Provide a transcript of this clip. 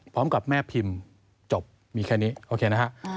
พร้อมกับแม่พิมพ์จบมีแค่นี้โอเคนะฮะ